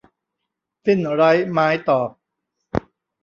สิ้นไร้ไม้ตอก